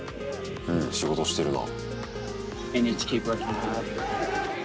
うん仕事してるな。